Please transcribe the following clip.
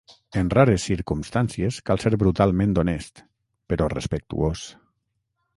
En rares circumstàncies cal ser brutalment honest, però respectuós.